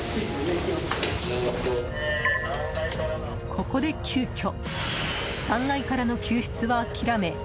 ここで急きょ３階からの救出は諦め